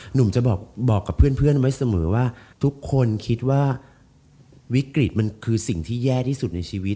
หนุ่มจะบอกกับเพื่อนไว้เสมอว่าทุกคนคิดว่าวิกฤตมันคือสิ่งที่แย่ที่สุดในชีวิต